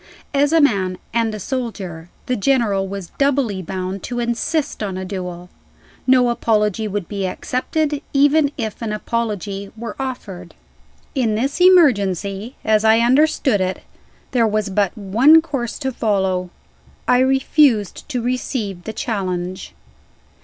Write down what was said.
As a man and a soldier, the General was doubly bound to insist on a duel. No apology would be accepted, even if an apology were offered. In this emergency, as I understood it, there was but one course to follow. I refused to receive the challenge.